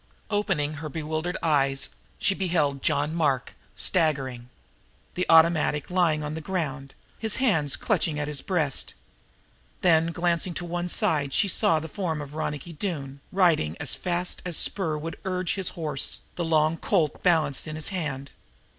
Opening her bewildered eyes she beheld John Mark staggering, the automatic lying on the ground, his hands clutching at his breast. Then glancing to one side she saw the form of Ronicky Doone riding as fast as spur would urge his horse, the long Colt balanced in his hand.